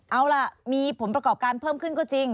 เอาล่ะมีผลประกอบการเพิ่มขึ้นก็จริง